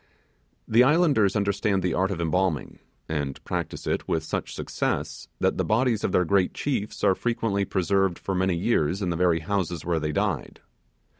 The islanders understand the art of embalming, and practise it with such success that the bodies of their great chiefs are frequently preserved for many years in the very houses where they died.